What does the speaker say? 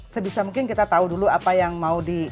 sebisa mungkin kita tahu dulu apa yang mau di